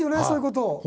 そういうことを。